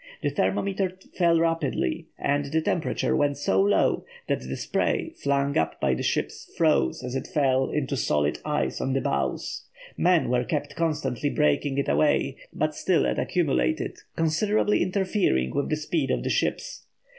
The thermometer fell rapidly, and the temperature went so low that the spray, flung up by the ships, froze, as it fell, into solid ice on the bows. Men were kept constantly breaking it away, but still it accumulated, considerably interfering with the speed of the ships.